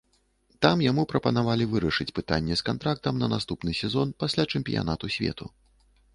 Там яму прапанавалі вырашыць пытанне з кантрактам на наступны сезон пасля чэмпіянату свету.